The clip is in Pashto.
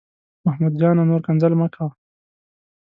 محمود جانه، نور کنځل مه کوه.